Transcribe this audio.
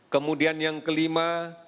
kemudian yang kelima